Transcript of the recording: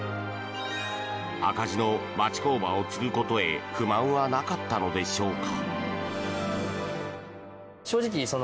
赤字の町工場を継ぐことへ不満はなかったのでしょうか？